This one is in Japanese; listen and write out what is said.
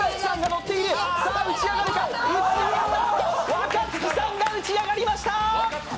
若槻さんが打ち上がりました！